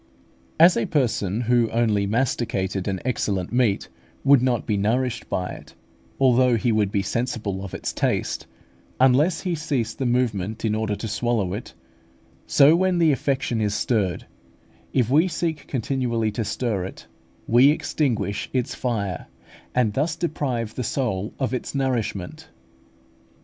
As a person who only masticated an excellent meat would not be nourished by it, although he would be sensible of its taste, unless he ceased this movement in order to swallow it; so when the affection is stirred, if we seek continually to stir it, we extinguish its fire, and thus deprive the soul of its nourishment.